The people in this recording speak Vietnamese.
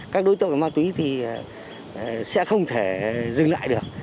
các đối tượng về ma túy thì sẽ không thể dừng lại được